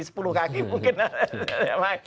sepuluh kaki mungkin